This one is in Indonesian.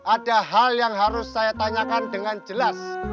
ada hal yang harus saya tanyakan dengan jelas